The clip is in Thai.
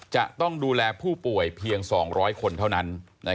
จะต้องดูแลผู้ป่วยเพียง๒๐๐คนเท่านั้น